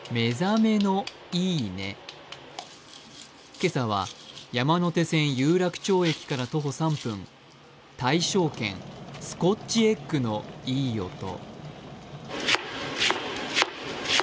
今朝は山手線有楽町駅から徒歩３分大正軒、スコッチエッグのいい音。